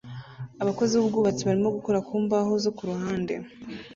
Abakozi b'ubwubatsi barimo gukora ku mbaho zo ku ruhande